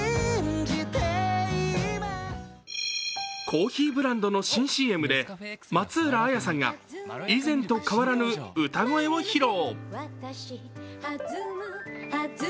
コーヒーブランドの新ＣＭで松浦亜弥さんが以前と変わらぬ歌声を披露。